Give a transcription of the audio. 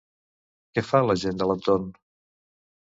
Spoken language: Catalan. Què fa la gent de l'entorn?